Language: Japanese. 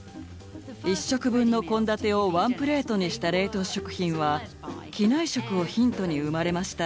１食分の献立をワンプレートにした冷凍食品は機内食をヒントに生まれました。